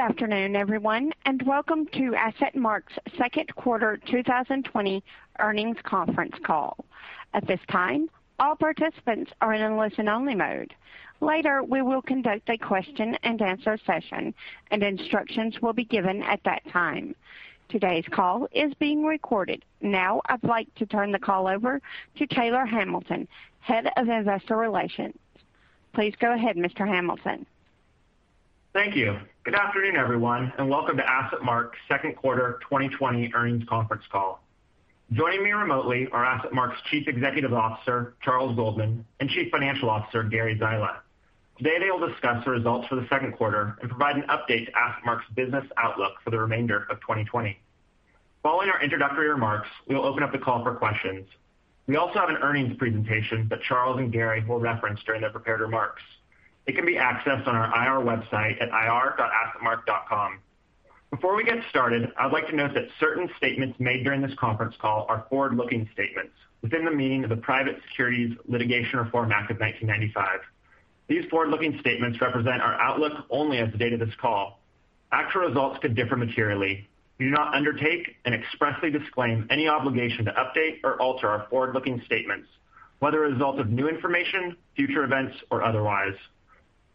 Good afternoon, everyone, and welcome to AssetMark's second quarter 2020 earnings conference call. At this time, all participants are in listen-only mode. Later, we will conduct a question and answer session, and instructions will be given at that time. Today's call is being recorded. Now I'd like to turn the call over to Taylor Hamilton, Head of Investor Relations. Please go ahead, Mr. Hamilton. Thank you. Good afternoon, everyone, and welcome to AssetMark's second quarter 2020 earnings conference call. Joining me remotely are AssetMark's Chief Executive Officer, Charles Goldman, and Chief Financial Officer, Gary Zyla. Today they will discuss the results for the second quarter and provide an update to AssetMark's business outlook for the remainder of 2020. Following our introductory remarks, we will open up the call for questions. We also have an earnings presentation that Charles and Gary will reference during their prepared remarks. It can be accessed on our IR website at ir.assetmark.com. Before we get started, I would like to note that certain statements made during this conference call are forward-looking statements within the meaning of the Private Securities Litigation Reform Act of 1995. These forward-looking statements represent our outlook only as of the date of this call. Actual results could differ materially. We do not undertake and expressly disclaim any obligation to update or alter our forward-looking statements, whether as a result of new information, future events, or otherwise.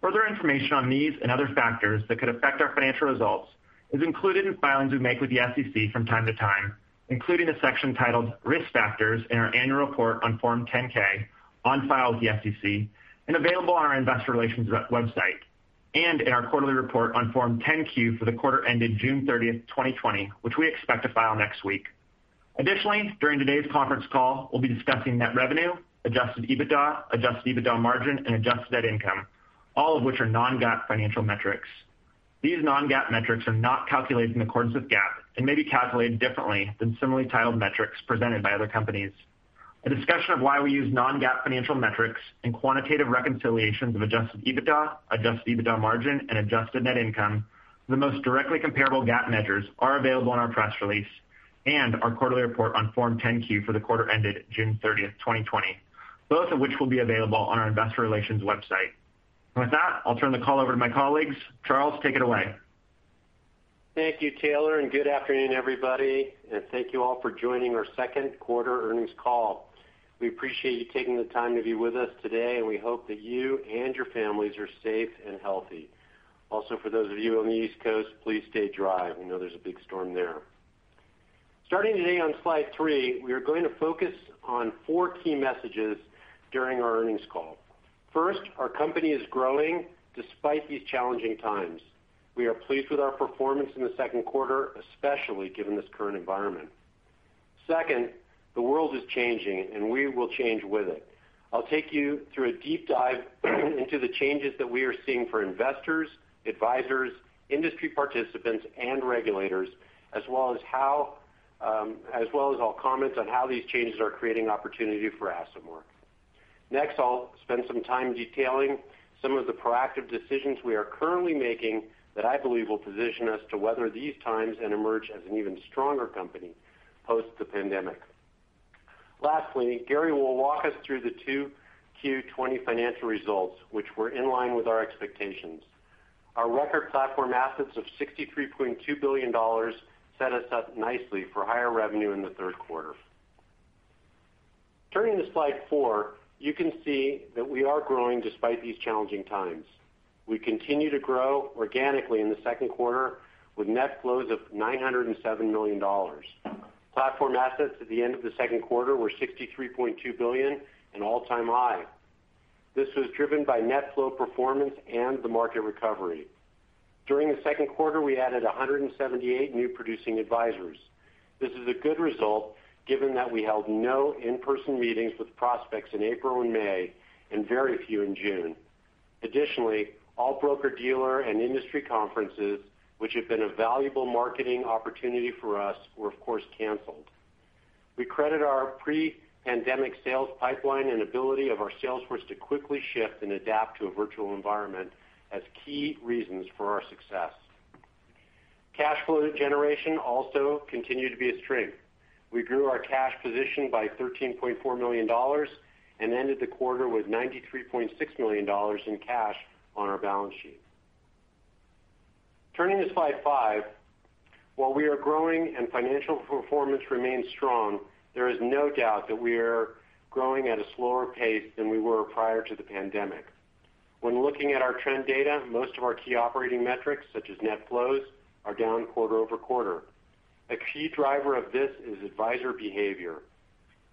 Further information on these and other factors that could affect our financial results is included in filings we make with the SEC from time to time, including the section titled Risk Factors in our annual report on Form 10-K on file with the SEC and available on our investor relations website, and in our quarterly report on Form 10-Q for the quarter ended June 30th, 2020, which we expect to file next week. Additionally, during today's conference call, we'll be discussing net revenue, adjusted EBITDA, adjusted EBITDA margin, and adjusted net income, all of which are non-GAAP financial metrics. These non-GAAP metrics are not calculated in accordance with GAAP and may be calculated differently than similarly titled metrics presented by other companies. A discussion of why we use non-GAAP financial metrics and quantitative reconciliations of adjusted EBITDA, adjusted EBITDA margin, and adjusted net income to the most directly comparable GAAP measures are available in our press release and our quarterly report on Form 10-Q for the quarter ended June 30th, 2020, both of which will be available on our investor relations website. With that, I'll turn the call over to my colleagues. Charles, take it away. Thank you, Taylor. Good afternoon, everybody. Thank you all for joining our second quarter earnings call. We appreciate you taking the time to be with us today, and we hope that you and your families are safe and healthy. Also, for those of you on the East Coast, please stay dry. We know there's a big storm there. Starting today on slide three, we are going to focus on four key messages during our earnings call. First, our company is growing despite these challenging times. We are pleased with our performance in the second quarter, especially given this current environment. Second, the world is changing, and we will change with it. I'll take you through a deep dive into the changes that we are seeing for investors, advisers, industry participants, and regulators, as well as I'll comment on how these changes are creating opportunity for AssetMark. Next, I'll spend some time detailing some of the proactive decisions we are currently making that I believe will position us to weather these times and emerge as an even stronger company post the pandemic. Lastly, Gary will walk us through the 2Q 2020 financial results, which were in line with our expectations. Our record platform assets of $63.2 billion set us up nicely for higher revenue in the third quarter. Turning to slide four, you can see that we are growing despite these challenging times. We continued to grow organically in the second quarter with net flows of $907 million. Platform assets at the end of the second quarter were $63.2 billion, an all-time high. This was driven by net flow performance and the market recovery. During the second quarter, we added 178 new producing advisors. This is a good result given that we held no in-person meetings with prospects in April and May, and very few in June. All broker-dealer and industry conferences, which have been a valuable marketing opportunity for us, were of course canceled. We credit our pre-pandemic sales pipeline and ability of our sales force to quickly shift and adapt to a virtual environment as key reasons for our success. Cash flow generation also continued to be a strength. We grew our cash position by $13.4 million and ended the quarter with $93.6 million in cash on our balance sheet. Turning to slide five, while we are growing and financial performance remains strong, there is no doubt that we are growing at a slower pace than we were prior to the pandemic. When looking at our trend data, most of our key operating metrics, such as net flows, are down quarter-over-quarter. A key driver of this is advisor behavior.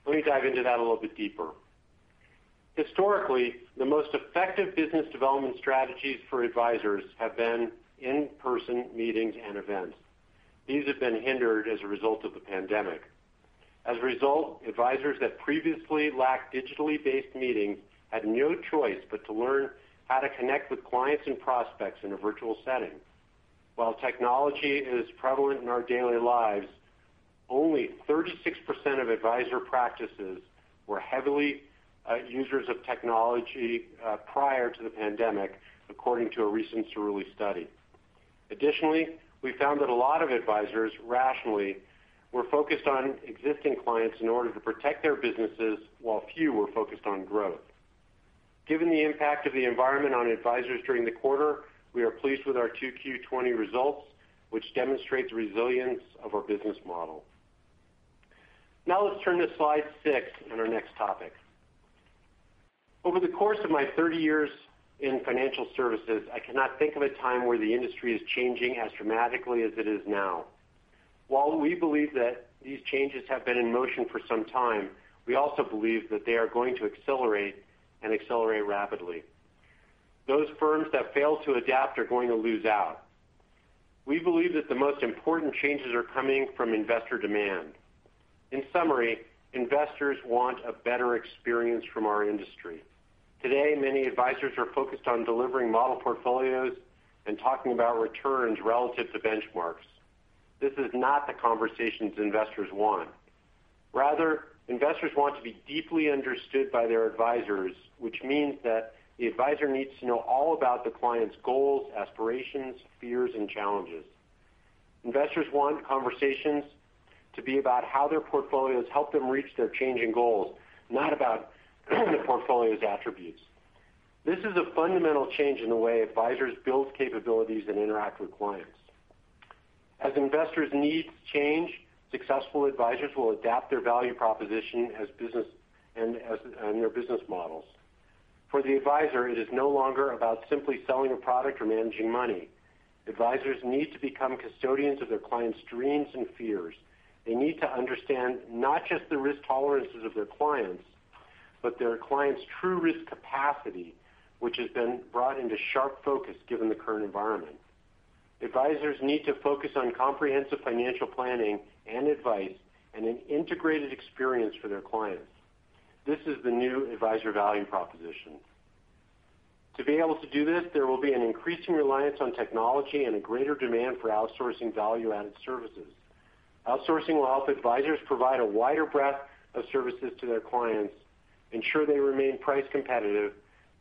Let me dive into that a little bit deeper. Historically, the most effective business development strategies for advisors have been in-person meetings and events. These have been hindered as a result of the pandemic. As a result, advisors that previously lacked digitally based meetings had no choice but to learn how to connect with clients and prospects in a virtual setting. While technology is prevalent in our daily lives, only 36% of advisor practices were heavy users of technology prior to the pandemic, according to a recent Cerulli study. Additionally, we found that a lot of advisors rationally were focused on existing clients in order to protect their businesses while few were focused on growth. Given the impact of the environment on advisors during the quarter, we are pleased with our 2Q 2020 results which demonstrate the resilience of our business model. Let's turn to slide six and our next topic. Over the course of my 30 years in financial services, I cannot think of a time where the industry is changing as dramatically as it is now. We believe that these changes have been in motion for some time, we also believe that they are going to accelerate and accelerate rapidly. Those firms that fail to adapt are going to lose out. We believe that the most important changes are coming from investor demand. In summary, investors want a better experience from our industry. Today, many advisors are focused on delivering model portfolios and talking about returns relative to benchmarks. This is not the conversations investors want. Rather, investors want to be deeply understood by their advisors which means that the advisor needs to know all about the client's goals, aspirations, fears, and challenges. Investors want conversations to be about how their portfolios help them reach their changing goals, not about the portfolio's attributes. This is a fundamental change in the way advisors build capabilities and interact with clients. As investors' needs change, successful advisors will adapt their value proposition and their business models. For the advisor, it is no longer about simply selling a product or managing money. Advisors need to become custodians of their clients' dreams and fears. They need to understand not just the risk tolerances of their clients, but their clients' true risk capacity which has been brought into sharp focus given the current environment. Advisors need to focus on comprehensive financial planning and advice and an integrated experience for their clients. This is the new advisor value proposition. To be able to do this, there will be an increasing reliance on technology and a greater demand for outsourcing value-added services. Outsourcing will help advisors provide a wider breadth of services to their clients, ensure they remain price competitive,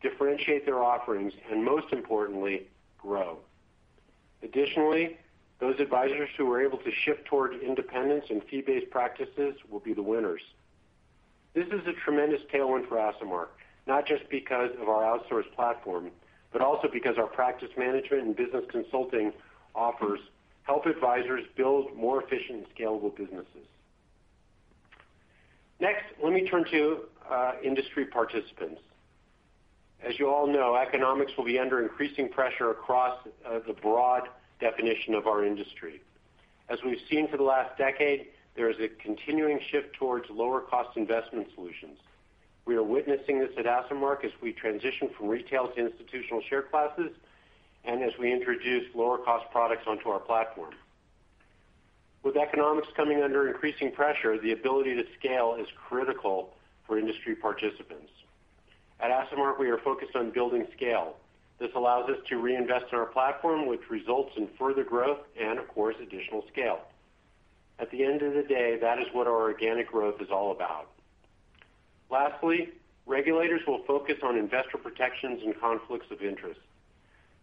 differentiate their offerings, and most importantly, grow. Additionally, those advisors who are able to shift towards independence and fee-based practices will be the winners. This is a tremendous tailwind for AssetMark, not just because of our outsource platform, but also because our practice management and business consulting offers help advisors build more efficient and scalable businesses. Next, let me turn to industry participants. As you all know, economics will be under increasing pressure across the broad definition of our industry. As we've seen for the last decade, there is a continuing shift towards lower cost investment solutions. We are witnessing this at AssetMark as we transition from retail to institutional share classes, and as we introduce lower cost products onto our platform. With economics coming under increasing pressure, the ability to scale is critical for industry participants. At AssetMark, we are focused on building scale. This allows us to reinvest in our platform which results in further growth, and of course, additional scale. At the end of the day, that is what our organic growth is all about. Lastly, regulators will focus on investor protections and conflicts of interest.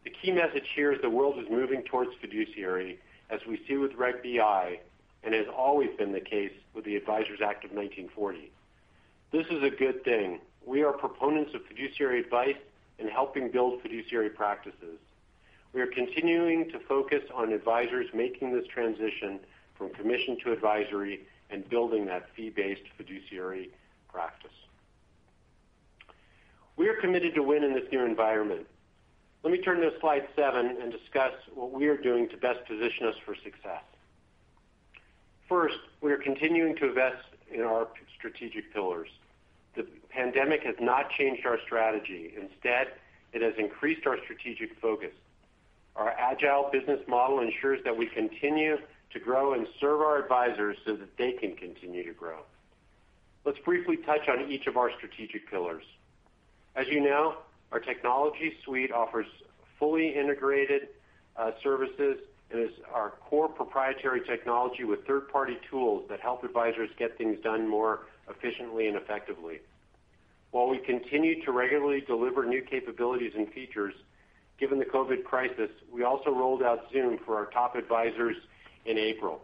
The key message here is the world is moving towards fiduciary as we see with Reg BI, and has always been the case with the Advisers Act of 1940. This is a good thing. We are proponents of fiduciary advice in helping build fiduciary practices. We are continuing to focus on advisers making this transition from commission to advisory and building that fee-based fiduciary practice. We are committed to win in this new environment. Let me turn to slide seven and discuss what we are doing to best position us for success. First, we are continuing to invest in our strategic pillars. The pandemic has not changed our strategy. Instead, it has increased our strategic focus. Our agile business model ensures that we continue to grow and serve our advisers so that they can continue to grow. Let's briefly touch on each of our strategic pillars. As you know, our technology suite offers fully integrated services and is our core proprietary technology with third-party tools that help advisors get things done more efficiently and effectively. While we continue to regularly deliver new capabilities and features, given the COVID crisis, we also rolled out Zoom for our top advisors in April.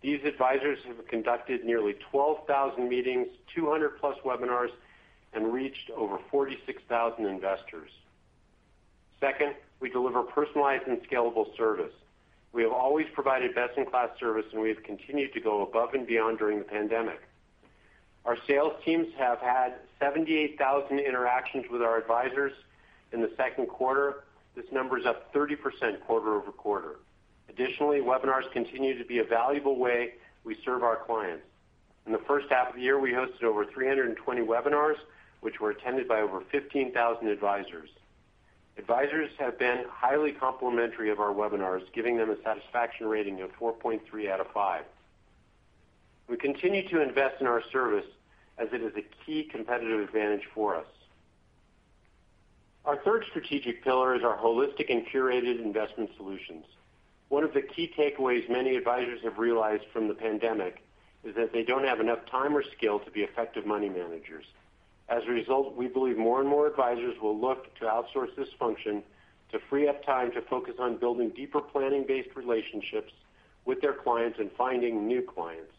These advisors have conducted nearly 12,000 meetings, 200+ webinars, and reached over 46,000 investors. Second, we deliver personalized and scalable service. We have always provided best in class service, and we have continued to go above and beyond during the pandemic. Our sales teams have had 78,000 interactions with our advisors in the second quarter. This number is up 30% quarter-over-quarter. Additionally, webinars continue to be a valuable way we serve our clients. In the first half of the year, we hosted over 320 webinars which were attended by over 15,000 advisors. Advisors have been highly complimentary of our webinars, giving them a satisfaction rating of 4.3 out of 5. We continue to invest in our service as it is a key competitive advantage for us. Our third strategic pillar is our holistic and curated investment solutions. One of the key takeaways many advisors have realized from the pandemic is that they don't have enough time or skill to be effective money managers. As a result, we believe more and more advisors will look to outsource this function to free up time to focus on building deeper planning-based relationships with their clients and finding new clients.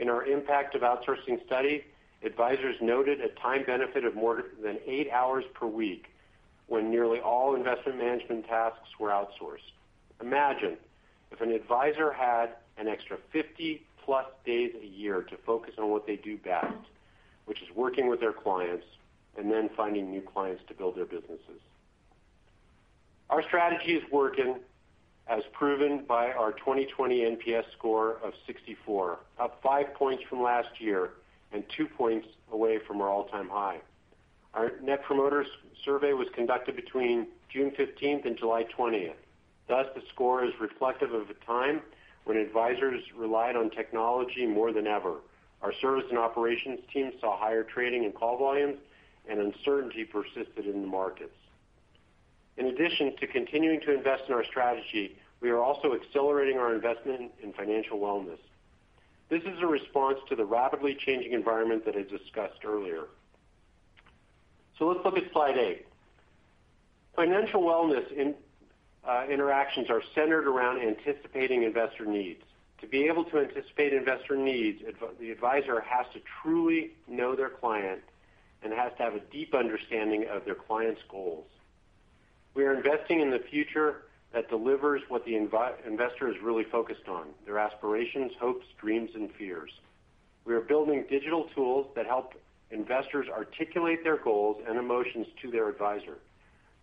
In our impact of outsourcing study, advisors noted a time benefit of more than eight hours per week when nearly all investment management tasks were outsourced. Imagine if an advisor had an extra 50 plus days a year to focus on what they do best, which is working with their clients and then finding new clients to build their businesses. Our strategy is working as proven by our 2020 NPS score of 64, up 5 points from last year and 2 points away from our all-time high. Our net promoter survey was conducted between June 15th and July 20th. The score is reflective of a time when advisors relied on technology more than ever. Our service and operations team saw higher trading and call volumes, and uncertainty persisted in the markets. In addition to continuing to invest in our strategy, we are also accelerating our investment in financial wellness. This is a response to the rapidly changing environment that I discussed earlier. Let's look at slide eight. Financial wellness interactions are centered around anticipating investor needs. To be able to anticipate investor needs, the advisor has to truly know their client and has to have a deep understanding of their client's goals. We are investing in the future that delivers what the investor is really focused on, their aspirations, hopes, dreams, and fears. We are building digital tools that help investors articulate their goals and emotions to their advisor.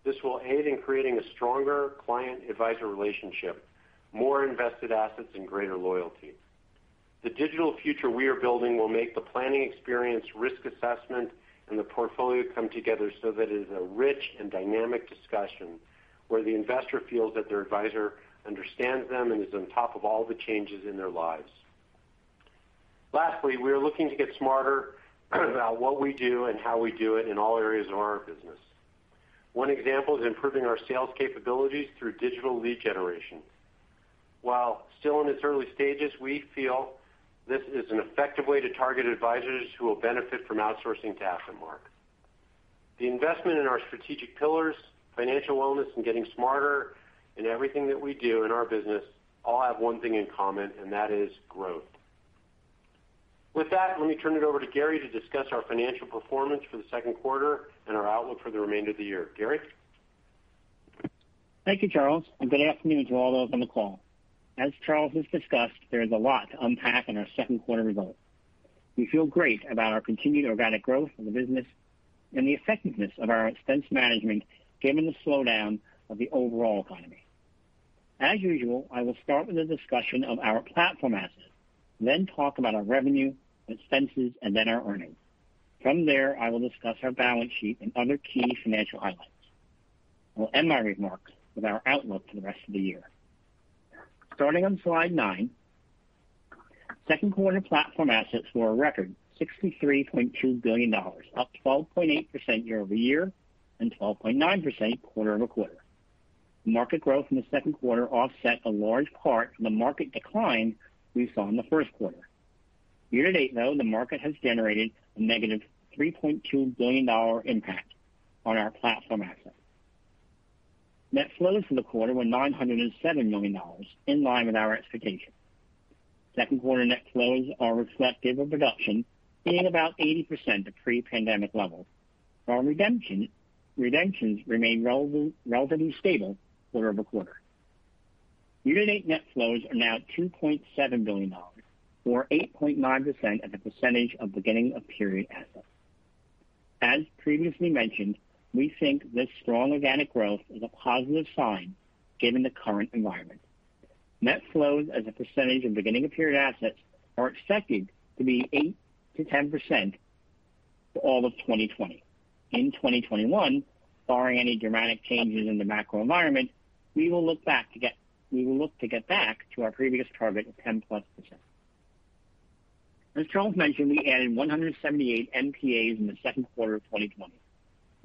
This will aid in creating a stronger client-advisor relationship, more invested assets, and greater loyalty. The digital future we are building will make the planning experience risk assessment and the portfolio come together so that it is a rich and dynamic discussion where the investor feels that their advisor understands them and is on top of all the changes in their lives. Lastly, we are looking to get smarter about what we do and how we do it in all areas of our business. One example is improving our sales capabilities through digital lead generation. While still in its early stages, we feel this is an effective way to target advisors who will benefit from outsourcing to AssetMark. The investment in our strategic pillars, financial wellness, and getting smarter in everything that we do in our business all have one thing in common, that is growth. With that, let me turn it over to Gary to discuss our financial performance for the second quarter and our outlook for the remainder of the year. Gary? Thank you, Charles, and good afternoon to all those on the call. As Charles has discussed, there is a lot to unpack in our second quarter results. We feel great about our continued organic growth in the business and the effectiveness of our expense management given the slowdown of the overall economy. As usual, I will start with a discussion of our platform assets, then talk about our revenue, expenses, and then our earnings. From there, I will discuss our balance sheet and other key financial highlights. I will end my remarks with our outlook for the rest of the year. Starting on slide nine, second quarter platform assets were a record $63.2 billion, up 12.8% year-over-year and 12.9% quarter-over-quarter. Market growth in the second quarter offset a large part of the market decline we saw in the first quarter. Year-to-date, though, the market has generated a negative $3.2 billion impact on our platform assets. Net flows for the quarter were $907 million, in line with our expectations. Second quarter net flows are reflective of production being about 80% of pre-pandemic levels, while redemptions remain relatively stable quarter-over-quarter. Year-to-date net flows are now $2.7 billion, or 8.9% as a percentage of beginning of period assets. As previously mentioned, we think this strong organic growth is a positive sign given the current environment. Net flows as a percentage of beginning of period assets are expected to be 8%-10% for all of 2020. In 2021, barring any dramatic changes in the macro environment, we will look to get back to our previous target of 10+%. As Charles mentioned, we added 178 NPAs in the second quarter of 2020.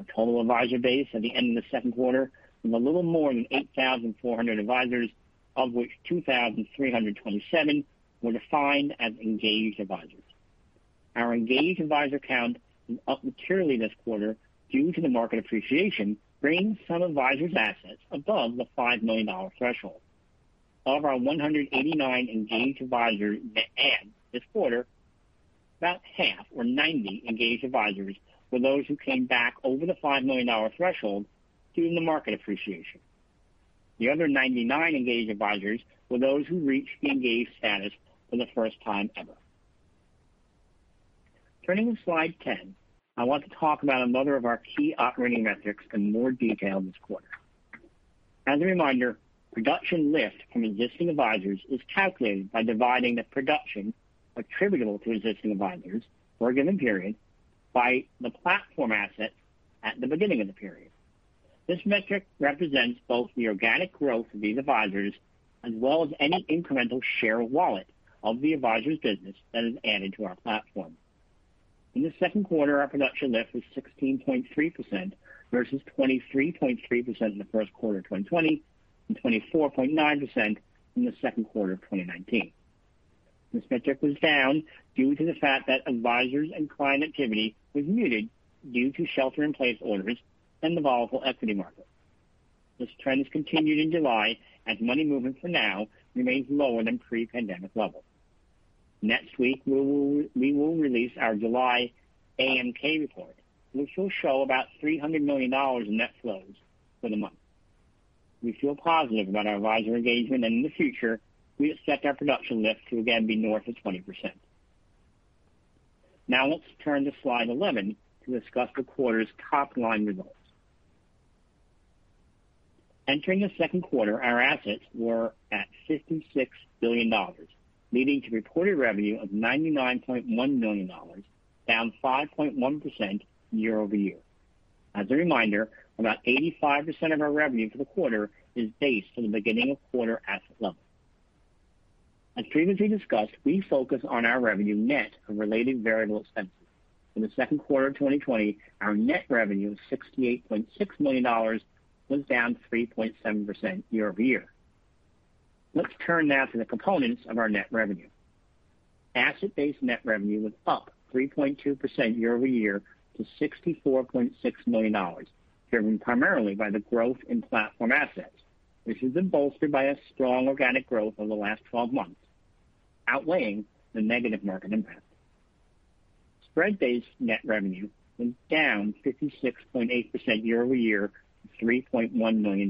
Our total advisor base at the end of the second quarter was a little more than 8,400 advisors, of which 2,327 were defined as engaged advisors. Our engaged advisor count was up materially this quarter due to the market appreciation, bringing some advisors' assets above the $5 million threshold. Of our 189 engaged advisors net add this quarter, about half or 90 engaged advisors were those who came back over the $5 million threshold due to the market appreciation. The other 99 engaged advisors were those who reached the engaged status for the first time ever. Turning to slide 10, I want to talk about another of our key operating metrics in more detail this quarter. As a reminder, production lift from existing advisors is calculated by dividing the production attributable to existing advisors for a given period by the platform asset at the beginning of the period. This metric represents both the organic growth of these advisors as well as any incremental share of wallet of the advisor's business that is added to our platform. In the second quarter, our production lift was 16.3% versus 23.3% in the first quarter of 2020 and 24.9% in the second quarter of 2019. This metric was down due to the fact that advisors and client activity was muted due to shelter in place orders and the volatile equity market. This trend has continued in July, as money movement for now remains lower than pre-pandemic levels. Next week, we will release our July AMK report, which will show about $300 million in net flows for the month. We feel positive about our advisor engagement. In the future, we expect our production lift to again be north of 20%. Let's turn to slide 11 to discuss the quarter's top-line results. Entering the second quarter, our assets were at $56 billion, leading to reported revenue of $99.1 million, down 5.1% year-over-year. As a reminder, about 85% of our revenue for the quarter is based on the beginning of quarter asset level. As previously discussed, we focus on our revenue net of related variable expenses. In the second quarter of 2020, our net revenue of $68.6 million was down 3.7% year-over-year. Let's turn now to the components of our net revenue. Asset-based net revenue was up 3.2% year-over-year to $64.6 million, driven primarily by the growth in platform assets, which has been bolstered by a strong organic growth over the last 12 months, outweighing the negative margin impact. Spread-based net revenue was down 56.8% year-over-year to $3.1 million.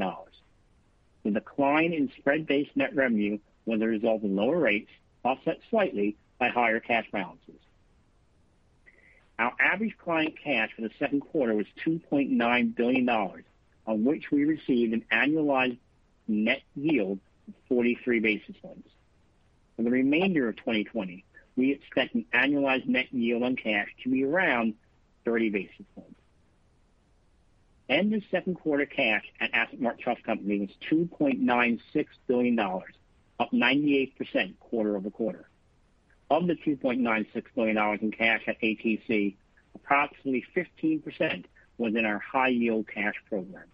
The decline in spread-based net revenue was a result of lower rates, offset slightly by higher cash balances. Our average client cash for the second quarter was $2.9 billion, on which we received an annualized net yield of 43 basis points. For the remainder of 2020, we expect an annualized net yield on cash to be around 30 basis points. End of second quarter cash at AssetMark Trust Company was $2.96 billion, up 98% quarter-over-quarter. Of the $2.96 billion in cash at ATC, approximately 15% was in our high yield cash program.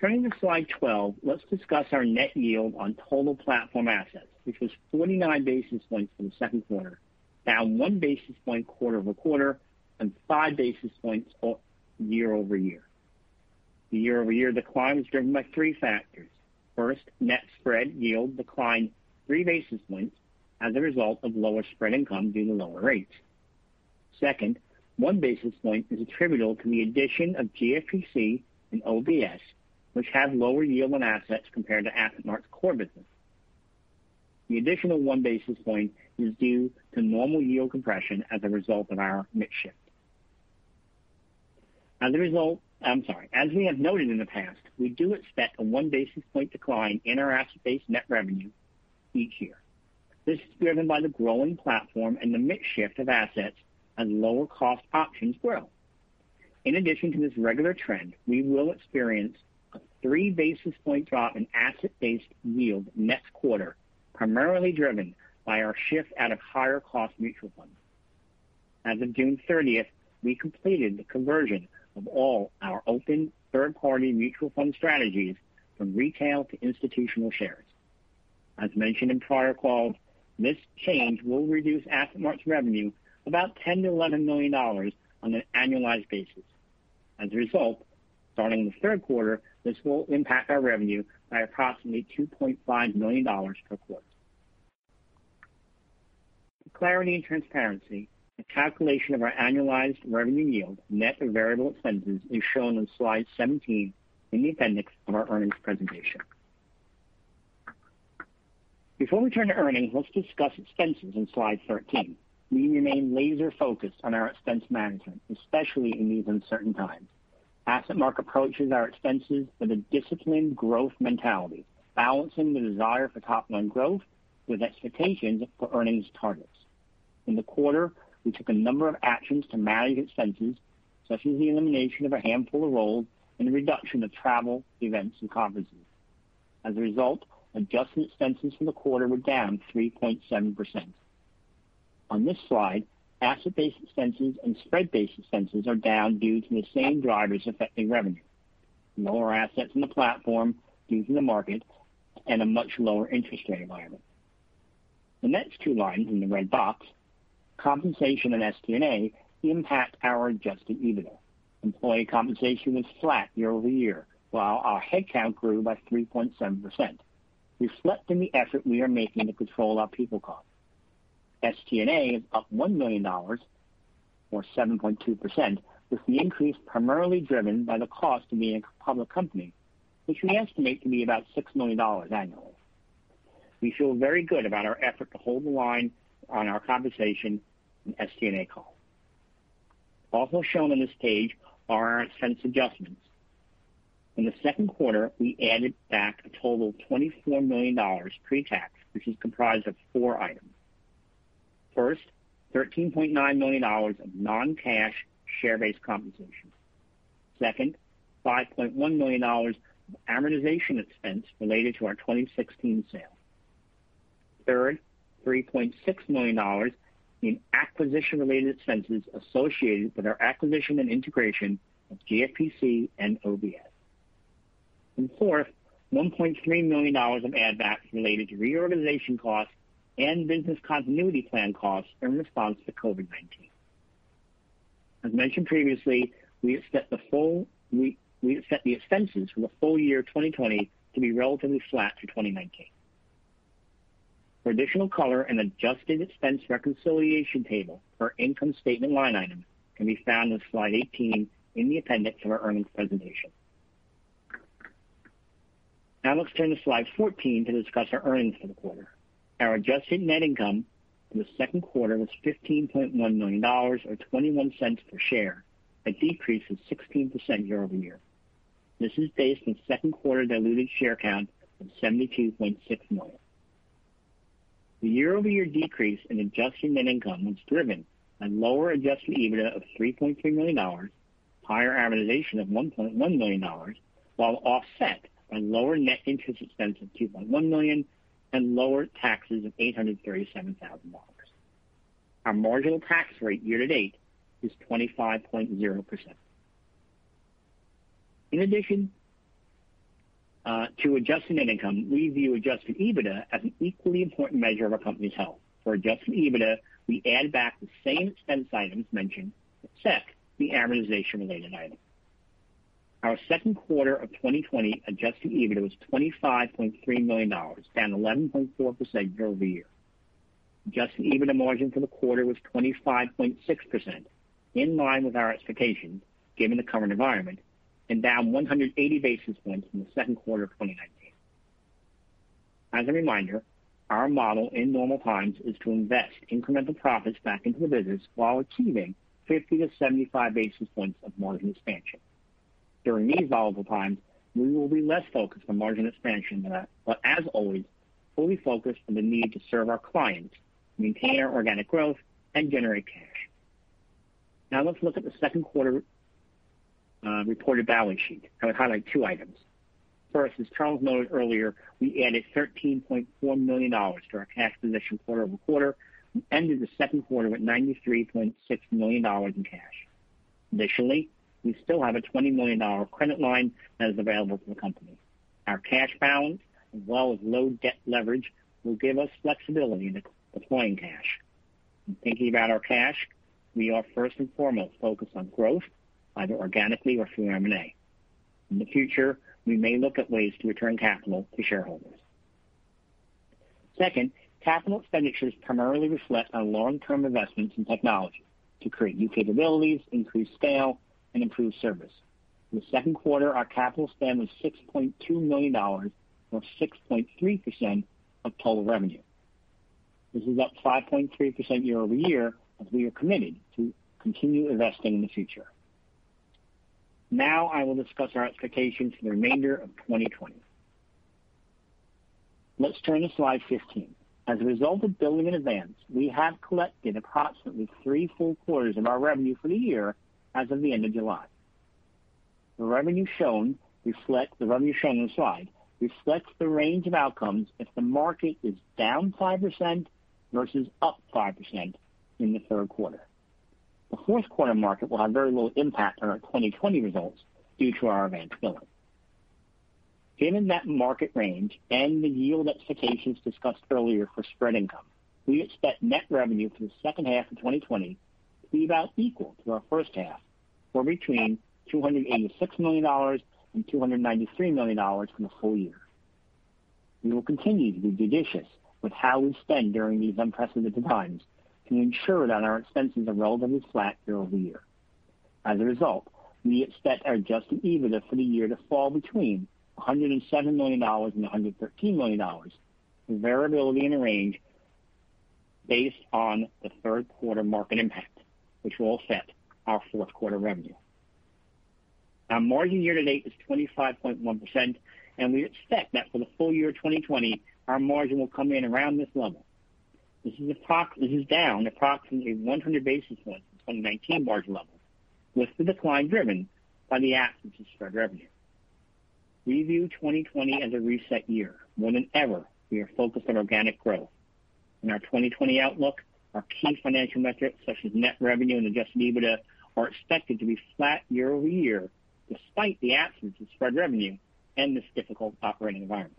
Turning to slide 12, let's discuss our net yield on total platform assets, which was 49 basis points for the second quarter, down one basis point quarter-over-quarter, and five basis points year-over-year. The year-over-year decline was driven by three factors. First, net spread yield declined three basis points as a result of lower spread income due to lower rates. Second, one basis point is attributable to the addition of GFPC and OBS, which have lower yield on assets compared to AssetMark's core business. The additional one basis point is due to normal yield compression as a result of our mix shift. As a result, I'm sorry. As we have noted in the past, we do expect a one basis point decline in our asset-based net revenue each year. This is driven by the growing platform and the mix shift of assets as lower-cost options grow. In addition to this regular trend, we will experience a three basis point drop in asset-based yield next quarter, primarily driven by our shift out of higher cost mutual funds. As of June 30th, we completed the conversion of all our open third-party mutual fund strategies from retail to institutional shares. As mentioned in prior calls, this change will reduce AssetMark's revenue about $10 million-$11 million on an annualized basis. As a result, starting in the third quarter, this will impact our revenue by approximately $2.5 million per quarter. For clarity and transparency, the calculation of our annualized revenue yield net of variable expenses is shown on slide 17 in the appendix of our earnings presentation. Before we turn to earnings, let's discuss expenses on slide 13. We remain laser focused on our expense management, especially in these uncertain times. AssetMark approaches our expenses with a disciplined growth mentality, balancing the desire for top-line growth with expectations for earnings targets. In the quarter, we took a number of actions to manage expenses, such as the elimination of a handful of roles and the reduction of travel, events, and conferences. As a result, adjusted expenses for the quarter were down 3.7%. On this slide, asset-based expenses and spread-based expenses are down due to the same drivers affecting revenue, lower assets in the platform due to the market, and a much lower interest rate environment. The next two lines in the red box, compensation and SG&A, impact our adjusted EBITDA. Employee compensation was flat year-over-year while our head count grew by 3.7%, reflecting the effort we are making to control our people cost. SG&A is up $1 million, or 7.2%, with the increase primarily driven by the cost of being a public company, which we estimate to be about $6 million annually. We feel very good about our effort to hold the line on our compensation and SG&A costs. Also shown on this page are our expense adjustments. In the second quarter, we added back a total of $24 million pre-tax, which is comprised of four items. First, $13.9 million of non-cash share-based compensation. Second, $5.1 million of amortization expense related to our 2016 sale. Third, $3.6 million in acquisition-related expenses associated with our acquisition and integration of GFPC and OBS. Fourth, $1.3 million of add backs related to reorganization costs and business continuity plan costs in response to COVID-19. As mentioned previously, we expect the expenses for the full year 2020 to be relatively flat to 2019. For additional color and adjusted expense reconciliation table for income statement line items can be found on slide 18 in the appendix of our earnings presentation. Now let's turn to slide 14 to discuss our earnings for the quarter. Our adjusted net income for the second quarter was $15.1 million, or $0.21 per share, a decrease of 16% year-over-year. This is based on second quarter diluted share count of 72.6 million. The year-over-year decrease in adjusted net income was driven by lower adjusted EBITDA of $3.3 million, higher amortization of $1.1 million, while offset by lower net interest expense of $2.1 million and lower taxes of $837,000. Our marginal tax rate year-to-date is 25.0%. In addition to adjusted net income, we view adjusted EBITDA as an equally important measure of our company's health. For adjusted EBITDA, we add back the same expense items mentioned, except the amortization-related item. Our second quarter of 2020 adjusted EBITDA was $25.3 million, down 11.4% year-over-year. Adjusted EBITDA margin for the quarter was 25.6%, in line with our expectations given the current environment, and down 180 basis points from the second quarter of 2019. As a reminder, our model in normal times is to invest incremental profits back into the business while achieving 50-75 basis points of margin expansion. During these volatile times, we will be less focused on margin expansion than that. As always, fully focused on the need to serve our clients, maintain our organic growth, and generate cash. Now let's look at the second quarter reported balance sheet. I would highlight two items. First, as Charles noted earlier, we added $13.4 million to our cash position quarter-over-quarter and ended the second quarter with $93.6 million in cash. Additionally, we still have a $20 million credit line that is available to the company. Our cash balance as well as low debt leverage will give us flexibility in deploying cash. In thinking about our cash, we are first and foremost focused on growth, either organically or through M&A. In the future, we may look at ways to return capital to shareholders. Second, capital expenditures primarily reflect our long-term investments in technology to create new capabilities, increase scale, and improve service. In the second quarter, our capital spend was $6.2 million or 6.3% of total revenue. This is up 5.3% year-over-year as we are committed to continue investing in the future. Now I will discuss our expectations for the remainder of 2020. Let's turn to slide 15. As a result of billing in advance, we have collected approximately three full quarters of our revenue for the year as of the end of July. The revenue shown on the slide reflects the range of outcomes if the market is down 5% versus up 5% in the third quarter. The fourth quarter market will have very little impact on our 2020 results due to our advance billing. Given that market range and the yield expectations discussed earlier for spread income, we expect net revenue for the second half of 2020 to be about equal to our first half, or between $286 million and $293 million for the full year. We will continue to be judicious with how we spend during these unprecedented times to ensure that our expenses are relatively flat year-over-year. As a result, we expect our adjusted EBITDA for the year to fall between $107 million and $113 million with variability in the range based on the third quarter market impact, which will offset our fourth quarter revenue. Our margin year to date is 25.1%, and we expect that for the full year 2020, our margin will come in around this level. This is down approximately 100 basis points from 2019 margin levels, with the decline driven by the absence of spread revenue. We view 2020 as a reset year. More than ever, we are focused on organic growth. In our 2020 outlook, our key financial metrics such as net revenue and adjusted EBITDA are expected to be flat year-over-year, despite the absence of spread revenue and this difficult operating environment.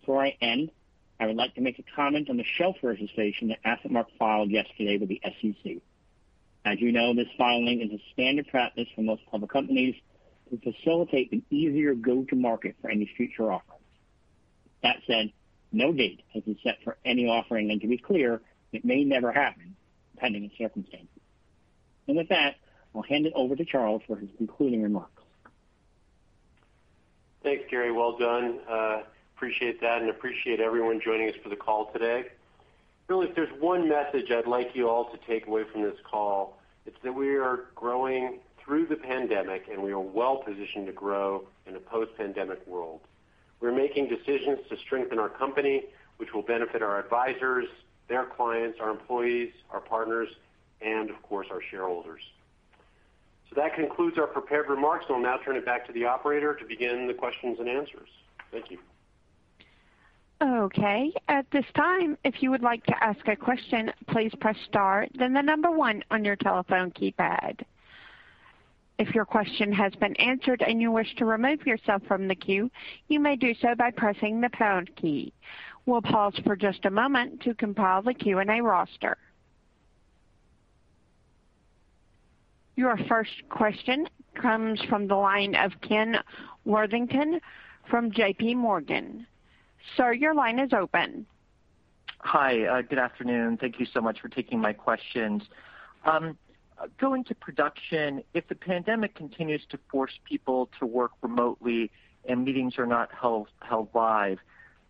Before I end, I would like to make a comment on the shelf registration that AssetMark filed yesterday with the SEC. As you know, this filing is a standard practice for most public companies to facilitate an easier go to market for any future offerings. That said, no date has been set for any offering, and to be clear, it may never happen depending on circumstances. With that, I'll hand it over to Charles for his concluding remarks. Thanks, Gary. Well done. Appreciate that and appreciate everyone joining us for the call today. Really, if there's one message I'd like you all to take away from this call, it's that we are growing through the pandemic, and we are well positioned to grow in a post-pandemic world. We're making decisions to strengthen our company, which will benefit our advisors, their clients, our employees, our partners, and of course, our shareholders. That concludes our prepared remarks, and I'll now turn it back to the operator to begin the questions and answers. Thank you. Okay. At this time, if you would like to ask a question, please press star then the number one on your telephone keypad. If your question has been answered and you wish to remove yourself from the queue, you may do so by pressing the pound key. We'll pause for just a moment to compile the Q&A roster. Your first question comes from the line of Ken Worthington from JPMorgan. Sir, your line is open. Hi. Good afternoon. Thank you so much for taking my questions. Going to production, if the pandemic continues to force people to work remotely and meetings are not held live,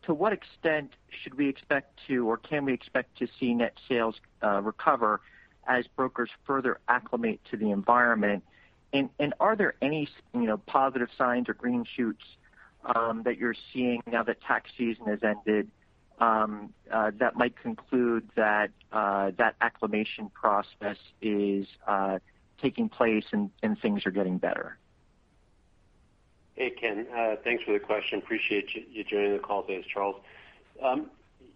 to what extent should we expect to, or can we expect to see net sales recover as brokers further acclimate to the environment? Are there any positive signs or green shoots that you're seeing now that tax season has ended that might conclude that acclimation process is taking place and things are getting better? Hey, Ken. Thanks for the question. Appreciate you joining the call today. It's Charles.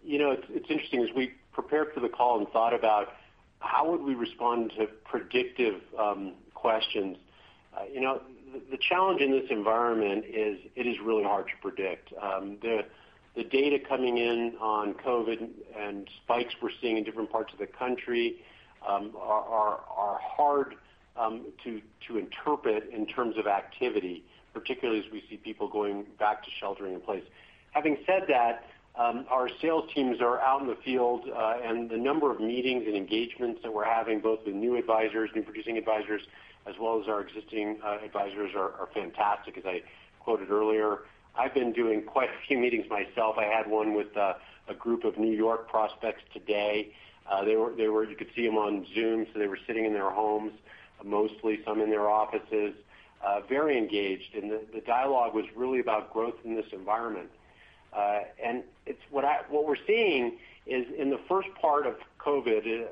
It's interesting, as we prepared for the call and thought about how would we respond to predictive questions. The challenge in this environment is it is really hard to predict. The data coming in on COVID and spikes we're seeing in different parts of the country are hard to interpret in terms of activity, particularly as we see people going back to sheltering in place. Having said that, our sales teams are out in the field, and the number of meetings and engagements that we're having, both with new producing advisors as well as our existing advisors are fantastic. As I quoted earlier, I've been doing quite a few meetings myself. I had one with a group of New York prospects today. You could see them on Zoom. They were sitting in their homes, mostly some in their offices. Very engaged. The dialogue was really about growth in this environment. What we're seeing is in the first part of COVID,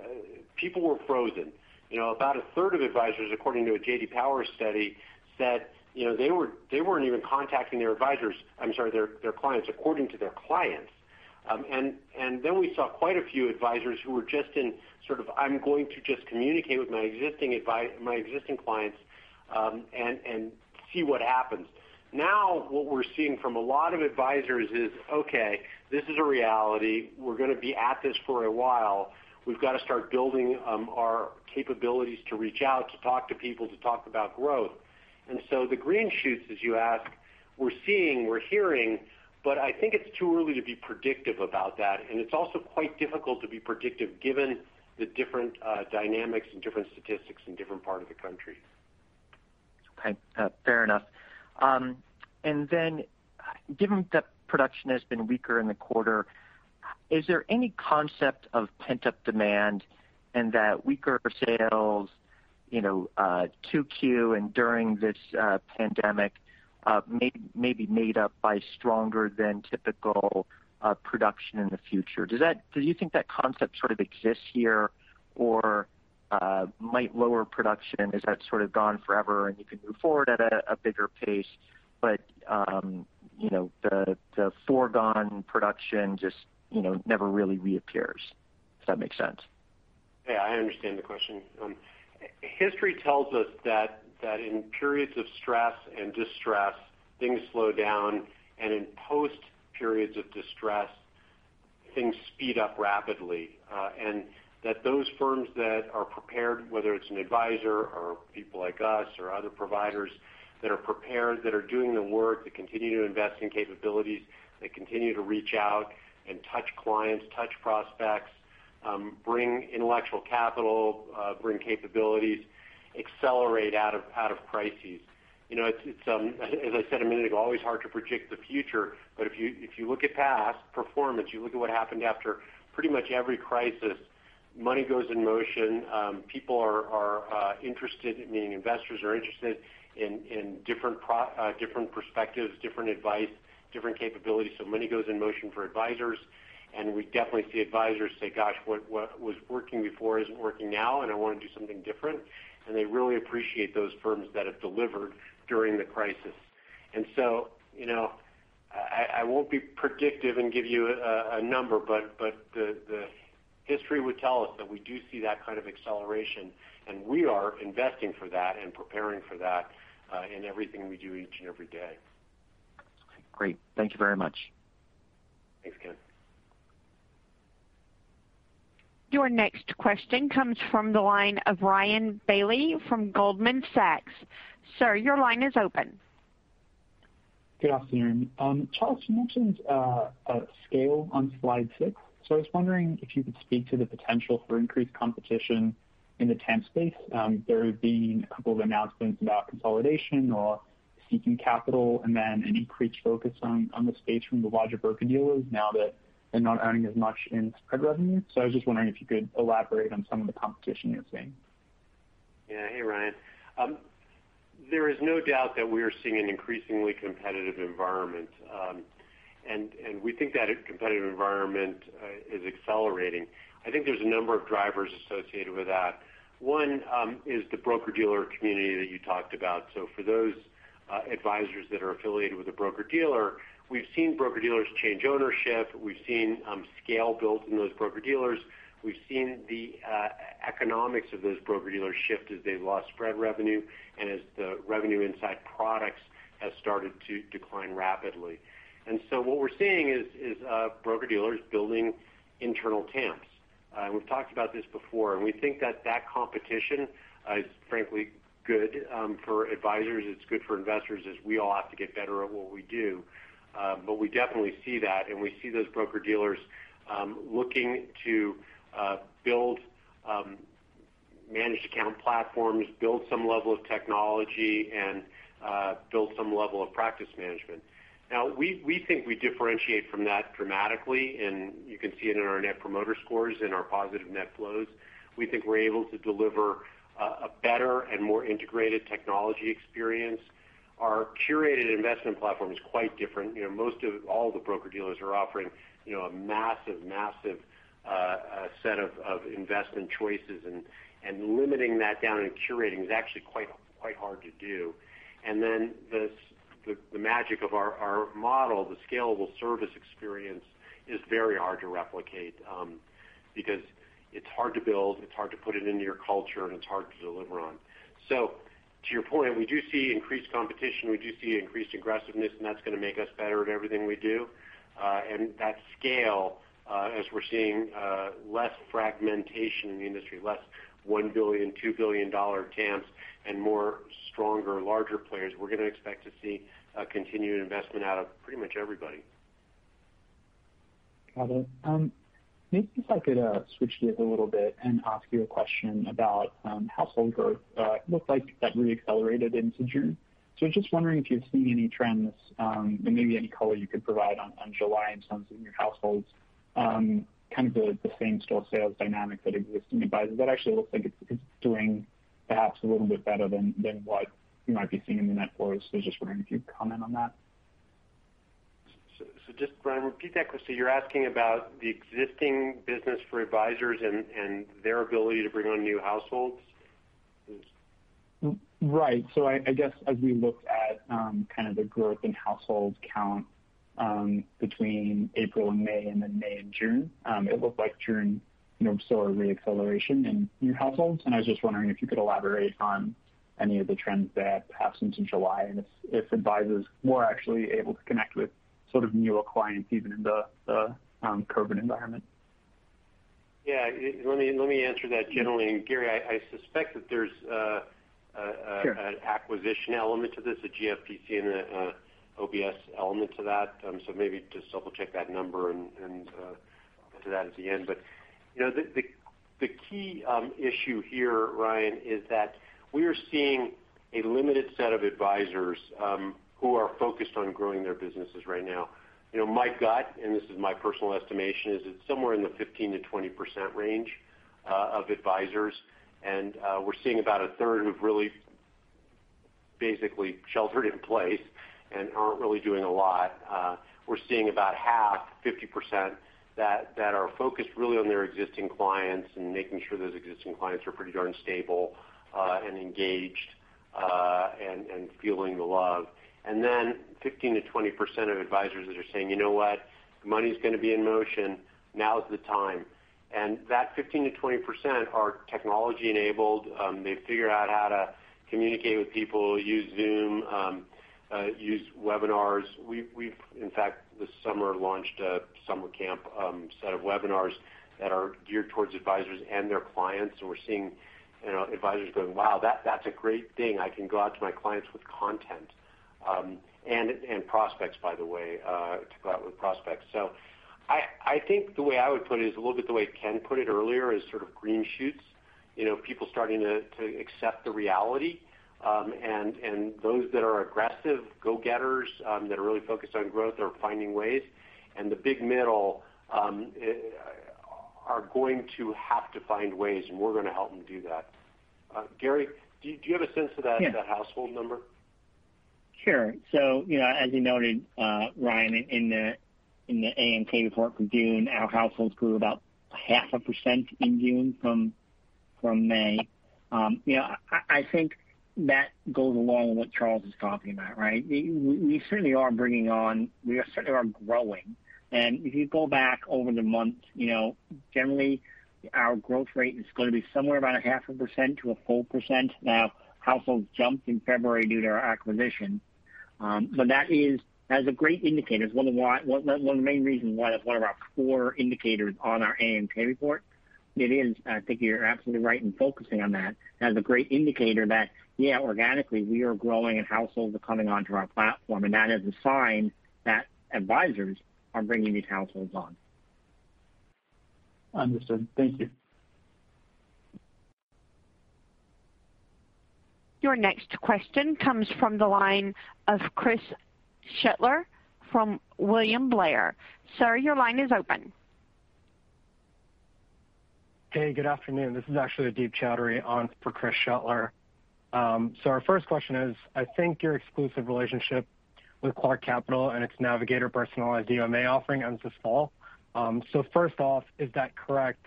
people were frozen. About a third of advisors, according to a J.D. Power study, said they weren't even contacting their clients according to their clients. We saw quite a few advisors who were just in sort of, I'm going to just communicate with my existing clients, and see what happens. Now, what we're seeing from a lot of advisors is, okay, this is a reality. We're going to be at this for a while. We've got to start building our capabilities to reach out, to talk to people, to talk about growth. The green shoots, as you ask, we're seeing, we're hearing, but I think it's too early to be predictive about that. It's also quite difficult to be predictive given the different dynamics and different statistics in different parts of the country. Okay. Fair enough. Given that production has been weaker in the quarter, is there any concept of pent-up demand and that weaker sales 2Q and during this pandemic may be made up by stronger than typical production in the future? Do you think that concept sort of exists here or might lower production? Is that sort of gone forever and you can move forward at a bigger pace, but the foregone production just never really reappears? Does that make sense? Yeah, I understand the question. History tells us that in periods of stress and distress, things slow down, and in post periods of distress, things speed up rapidly. That those firms that are prepared, whether it's an adviser or people like us or other providers that are prepared, that are doing the work to continue to invest in capabilities, that continue to reach out and touch clients, touch prospects, bring intellectual capital, bring capabilities, accelerate out of crises. As I said a minute ago, always hard to predict the future, but if you look at past performance, you look at what happened after pretty much every crisis, money goes in motion. People are interested, meaning investors are interested in different perspectives, different advice, different capabilities. Money goes in motion for advisors, and we definitely see advisors say, "Gosh, what was working before isn't working now, and I want to do something different." They really appreciate those firms that have delivered during the crisis. I won't be predictive and give you a number, but the history would tell us that we do see that kind of acceleration, and we are investing for that and preparing for that in everything we do each and every day. Great. Thank you very much. Thanks, Ken. Your next question comes from the line of Ryan Bailey from Goldman Sachs. Sir, your line is open. Good afternoon. Charles, you mentioned scale on slide six. I was wondering if you could speak to the potential for increased competition in the TAMP space. There have been a couple of announcements about consolidation or seeking capital, and then an increased focus on the space from the larger broker-dealers now that they're not earning as much in spread revenue. I was just wondering if you could elaborate on some of the competition you're seeing. Yeah. Hey, Ryan. There is no doubt that we are seeing an increasingly competitive environment. We think that competitive environment is accelerating. I think there's a number of drivers associated with that. One is the broker-dealer community that you talked about. For those advisors that are affiliated with a broker-dealer, we've seen broker-dealers change ownership, we've seen scale built in those broker-dealers. We've seen the economics of those broker-dealers shift as they've lost spread revenue and as the revenue inside products has started to decline rapidly. What we're seeing is broker-dealers building internal TAMPs. We've talked about this before, and we think that that competition is frankly good for advisors. It's good for investors, as we all have to get better at what we do. We definitely see that, and we see those broker-dealers looking to build managed account platforms, build some level of technology, and build some level of practice management. We think we differentiate from that dramatically, and you can see it in our Net Promoter Scores and our positive net flows. We think we're able to deliver a better and more integrated technology experience. Our curated investment platform is quite different. All the broker-dealers are offering a massive set of investment choices, and limiting that down and curating is actually quite hard to do. The magic of our model, the scalable service experience, is very hard to replicate because it's hard to build, it's hard to put it into your culture, and it's hard to deliver on. To your point, we do see increased competition, we do see increased aggressiveness, and that's going to make us better at everything we do. That scale as we're seeing less fragmentation in the industry, less $1 billion, $2 billion TAMPs, and more stronger, larger players. We're going to expect to see a continued investment out of pretty much everybody. Got it. Maybe if I could switch gears a little bit and ask you a question about household growth. It looks like that re-accelerated into June. I'm just wondering if you've seen any trends, and maybe any color you could provide on July in terms of new households, kind of the same-store sales dynamic that exists in advisors. That actually looks like it's doing perhaps a little bit better than what you might be seeing in the net flows. Just wondering if you'd comment on that. Just, Ryan, repeat that question. You're asking about the existing business for advisors and their ability to bring on new households? I guess as we looked at the growth in household count between April and May and then May and June, it looked like June saw a re-acceleration in new households. I was just wondering if you could elaborate on any of the trends there perhaps into July, and if advisors were actually able to connect with sort of newer clients, even in the COVID environment. Yeah. Let me answer that generally. Gary, I suspect that there's- Sure. an acquisition element to this, a GFPC and an OBS element to that. Maybe just double check that number and get to that at the end. The key issue here, Ryan, is that we are seeing a limited set of advisors who are focused on growing their businesses right now. My gut, and this is my personal estimation, is it's somewhere in the 15%-20% range of advisors. We're seeing about a third who've really basically sheltered in place and aren't really doing a lot. We're seeing about half, 50%, that are focused really on their existing clients and making sure those existing clients are pretty darn stable and engaged, and feeling the love. Then 15%-20% of advisors that are saying, "You know what? Money's going to be in motion. Now's the time." That 15%-20% are technology enabled. They've figured out how to communicate with people, use Zoom, use webinars. We've in fact this summer launched a summer camp set of webinars that are geared towards advisers and their clients. We're seeing advisers going, "Wow, that's a great thing. I can go out to my clients with content." Prospects, by the way, to go out with prospects. I think the way I would put it is a little bit the way Ken put it earlier, is sort of green shoots. People starting to accept the reality. Those that are aggressive go-getters that are really focused on growth are finding ways, and the big middle are going to have to find ways, and we're going to help them do that. Gary, do you have a sense of that household number? Sure. As you noted, Ryan, in the AMK report for June, our households grew about half a percent in June from May. I think that goes along with what Charles is talking about, right? We certainly are growing. If you go back over the months, generally our growth rate is going to be somewhere about a half a percent to a full percent. Households jumped in February due to our acquisition. That is a great indicator. It's one of the main reasons why it's one of our core indicators on our AMK report. It is, I think you're absolutely right in focusing on that as a great indicator that, yeah, organically, we are growing and households are coming onto our platform, and that is a sign that advisors are bringing these households on. Understood. Thank you. Your next question comes from the line of Chris Shutler from William Blair. Sir, your line is open. Hey, good afternoon. This is actually Dave Chowdhury on for Chris Shutler. Our first question is, I think your exclusive relationship with Clark Capital and its Navigator personalized UMA offering ends this fall. First off, is that correct?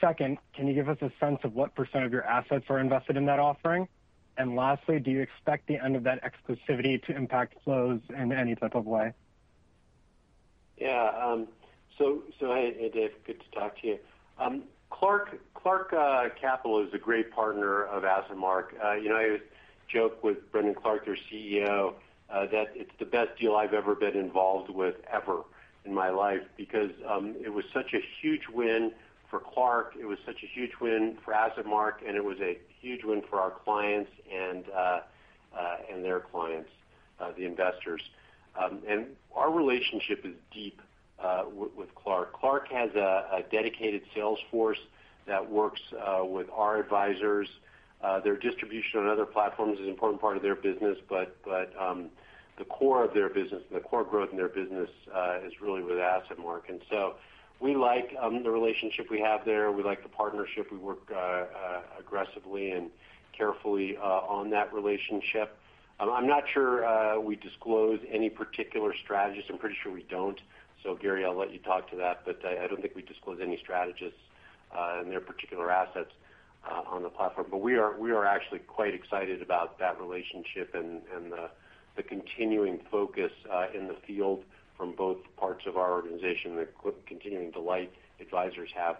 Second, can you give us a sense of what percent of your assets are invested in that offering? Lastly, do you expect the end of that exclusivity to impact flows in any type of way? Hi, Dave. Good to talk to you. Clark Capital is a great partner of AssetMark. I joke with Brendan Clark, their CEO, that it's the best deal I've ever been involved with ever in my life because it was such a huge win for Clark, it was such a huge win for AssetMark, and it was a huge win for our clients and their clients, the investors. Our relationship is deep with Clark. Clark has a dedicated sales force that works with our advisors. Their distribution on other platforms is an important part of their business, but the core of their business, the core growth in their business, is really with AssetMark. We like the relationship we have there. We like the partnership. We work aggressively and carefully on that relationship. I'm not sure we disclose any particular strategist. I'm pretty sure we don't. Gary, I'll let you talk to that, but I don't think we disclose any strategists and their particular assets on the platform. We are actually quite excited about that relationship and the continuing focus in the field from both parts of our organization, the continuing delight advisors have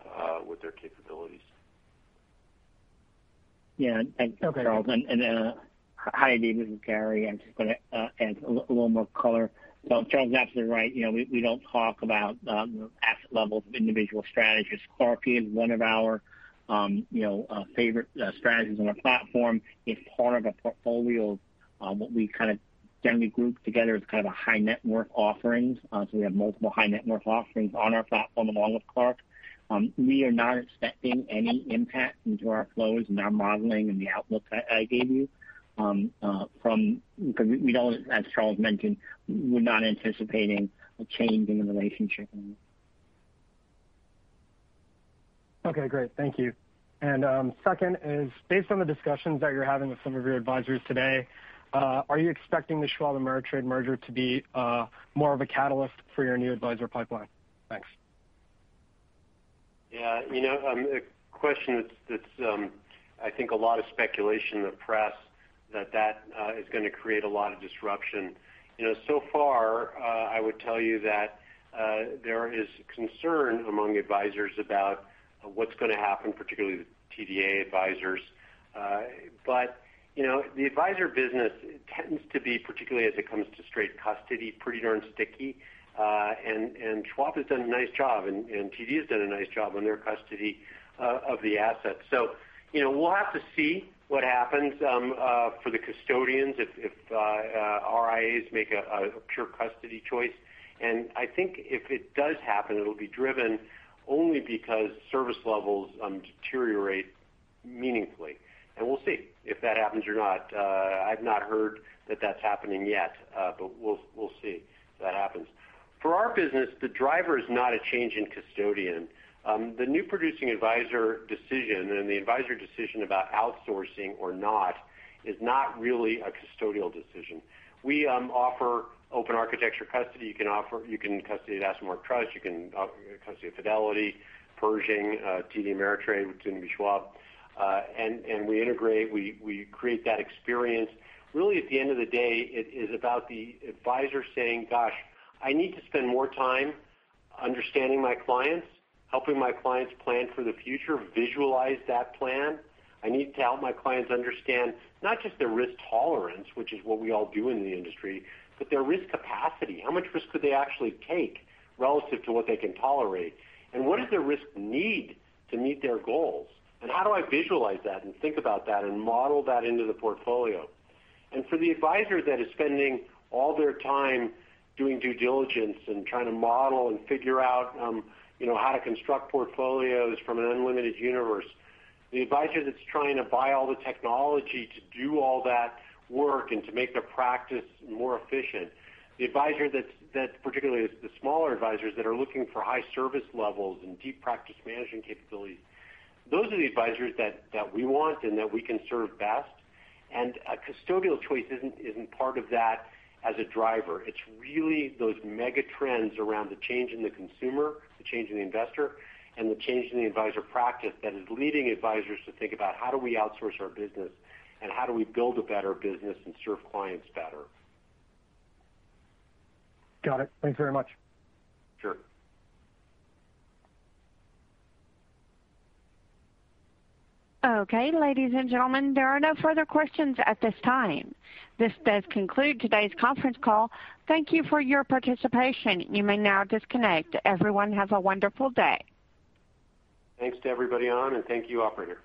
with their capabilities. Yeah. Thanks, Charles. Okay. Hi, Dave, this is Gary. I'm just going to add a little more color. Charles is absolutely right. We don't talk about asset levels of individual strategists. Clark is one of our favorite strategists on our platform. It's part of a portfolio of what we generally group together as kind of a high net worth offerings. We have multiple high net worth offerings on our platform, along with Clark. We are not expecting any impact into our flows and our modeling and the outlook I gave you. As Charles mentioned, we're not anticipating a change in the relationship. Okay, great. Thank you. Second is, based on the discussions that you're having with some of your advisors today, are you expecting the Schwab Ameritrade merger to be more of a catalyst for your new advisor pipeline? Thanks. Yeah. A question that's I think a lot of speculation in the press that is going to create a lot of disruption. Far, I would tell you that there is concern among advisors about what's going to happen, particularly with TDA advisors. The advisor business tends to be, particularly as it comes to straight custody, pretty darn sticky. Schwab has done a nice job, and TD has done a nice job on their custody of the assets. We'll have to see what happens for the custodians if RIAs make a pure custody choice. I think if it does happen, it'll be driven only because service levels deteriorate meaningfully. We'll see if that happens or not. I've not heard that that's happening yet. We'll see if that happens. For our business, the driver is not a change in custodian. The new producing advisor decision, and the advisor decision about outsourcing or not, is not really a custodial decision. We offer open architecture custody. You can custody at AssetMark Trust, you can custody at Fidelity, Pershing, TD Ameritrade, which is going to be Schwab. We integrate, we create that experience. Really at the end of the day, it is about the advisor saying, "Gosh, I need to spend more time understanding my clients, helping my clients plan for the future, visualize that plan. I need to help my clients understand not just their risk tolerance," which is what we all do in the industry, "but their risk capacity. How much risk could they actually take relative to what they can tolerate? What is their risk need to meet their goals? How do I visualize that and think about that and model that into the portfolio? For the advisor that is spending all their time doing due diligence and trying to model and figure out how to construct portfolios from an unlimited universe, the advisor that's trying to buy all the technology to do all that work and to make their practice more efficient, the advisor that's, particularly the smaller advisors, that are looking for high service levels and deep practice management capabilities, those are the advisors that we want and that we can serve best. A custodial choice isn't part of that as a driver. It's really those mega trends around the change in the consumer, the change in the investor, and the change in the advisor practice that is leading advisors to think about how do we outsource our business, and how do we build a better business and serve clients better. Got it. Thanks very much. Sure. Okay, ladies and gentlemen, there are no further questions at this time. This does conclude today's conference call. Thank you for your participation. You may now disconnect. Everyone have a wonderful day. Thanks to everybody on, and thank you, operator.